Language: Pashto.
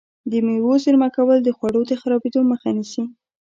د مېوو زېرمه کول د خوړو د خرابېدو مخه نیسي.